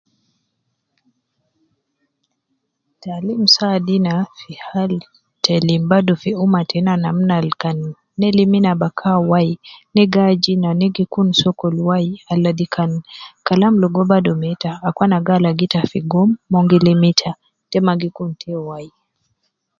Taalim saadu ina fi hal te limu badu fi ummah tena namna al kan ne lim ina bakan wai, negi aju ina. negikun sokol wai, al ladi kan kalam logo badu meeta akwana gi alagu ita fi guam mon gi lim ita ,te ma gikun te wai.